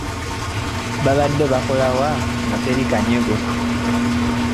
Babadde babakoowoola nga teri kanyego.